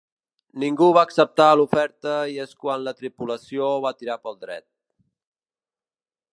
Ningú va acceptar l’oferta i és quan la tripulació va tirar pel dret.